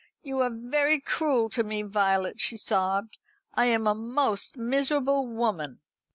"You are very cruel to me, Violet," she sobbed. "I am a most miserable woman."